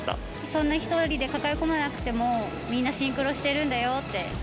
そんな一人で抱え込まなくても、みんなシンクロしているんだよって。